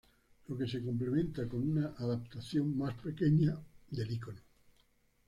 Lo que se complementa con una adaptación más pequeña del icono.